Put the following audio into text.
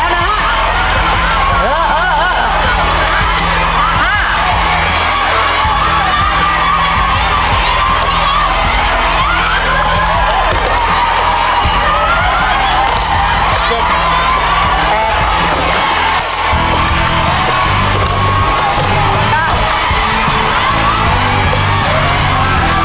เร็วเร็วเร็ว